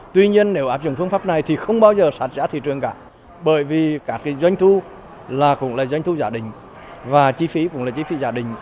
tuy nhiên nếu áp dụng phương pháp này thì không bao giờ sản giá thị trường cả bởi vì cả doanh thu cũng là doanh thu giá đình và chi phí cũng là chi phí giá đình